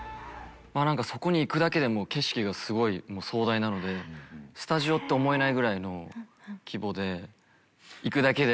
そこに行くだけで景色がすごい壮大なのでスタジオって思えないぐらいの規模で。